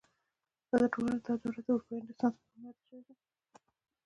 دا دوره د اروپايي رنسانس په نامه یاده شوې.